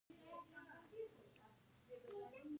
فرمان د ولسمشر لیکلی هدایت دی.